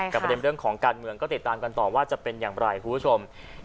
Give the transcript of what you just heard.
ประเด็นเรื่องของการเมืองก็ติดตามกันต่อว่าจะเป็นอย่างไรคุณผู้ชม